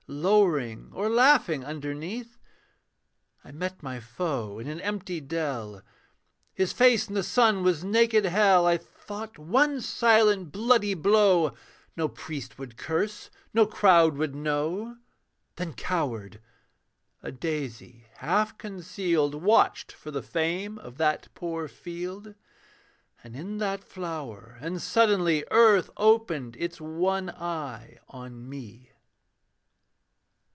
Lowering or laughing underneath. I met my foe in an empty dell, His face in the sun was naked hell. I thought, 'One silent, bloody blow. No priest would curse, no crowd would know.' Then cowered: a daisy, half concealed, Watched for the fame of that poor field; And in that flower and suddenly Earth opened its one eye on me.